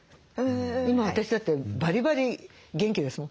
今私だってバリバリ元気ですもん。